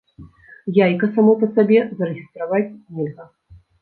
Яйка само па сабе зарэгістраваць нельга.